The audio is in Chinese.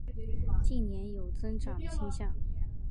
近年有增长倾向。